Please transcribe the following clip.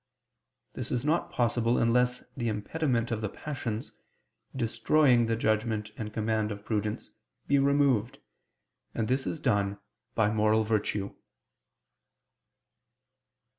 This is not possible unless the impediment of the passions, destroying the judgment and command of prudence, be removed; and this is done by moral virtue.